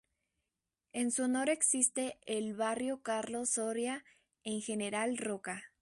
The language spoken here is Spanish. En su honor existe el barrio Carlos Soria en General Roca.